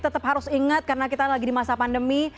tetap harus ingat karena kita lagi di masa pandemi